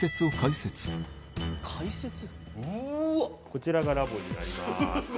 こちらがラボになります。